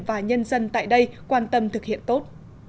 và nhân dân tại đây quan tâm thực hiện tốt